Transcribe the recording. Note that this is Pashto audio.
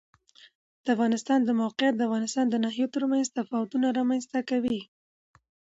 د افغانستان د موقعیت د افغانستان د ناحیو ترمنځ تفاوتونه رامنځ ته کوي.